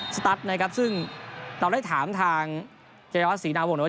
สตัฐ์นะครับซึ่งเราได้ถามทางเจียวฮัสศรีนาวงศ์หรือว่า